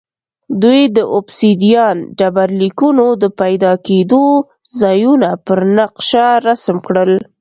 دوی د اوبسیدیان ډبرلیکونو د پیدا کېدو ځایونه پر نقشه رسم کړل